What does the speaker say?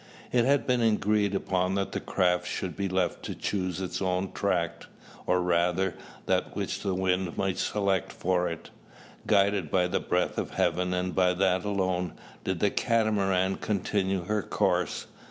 It had been agreed upon that the craft should be left to choose its own track; or rather, that which the wind might select for it. Guided by the breath of heaven, and by that alone, did the Catamaran continue her course.